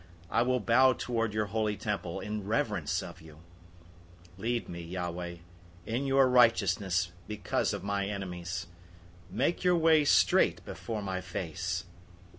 I will bow toward your holy temple in reverence of you. 005:008 Lead me, Yahweh, in your righteousness because of my enemies. Make your way straight before my face.